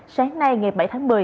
sáng nay ngày bảy tháng một mươi